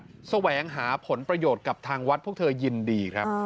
แสวงหาผลประโยชน์กับทางวัดพวกเธอยินดีครับ